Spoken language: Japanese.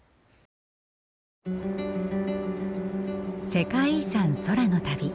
「世界遺産空の旅」。